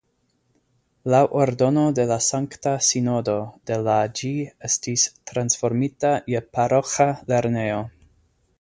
Laŭ ordono de la Sankta Sinodo de la ĝi estis transformita je paroĥa lernejo.